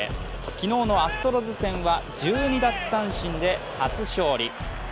昨日のアストロズ戦は１２奪三振で初勝利。